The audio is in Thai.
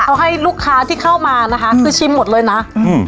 เขาให้ลูกค้าที่เข้ามานะคะคือชิมหมดเลยนะอืม